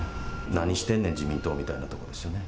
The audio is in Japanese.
何してんねん、自民党みたいなところですね。